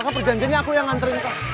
kan perjanjiannya aku yang nganterin kamu